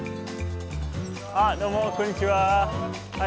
あどうもこんにちは。